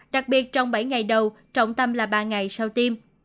đặc biệt trong bảy ngày đầu trọng tâm là ba ngày sau tiêm